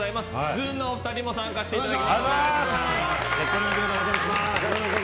ずんのお二人にも参加していただきます。